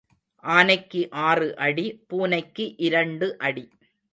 ஆனைக்கு ஆறு அடி பூனைக்கு இரண்டு அடி.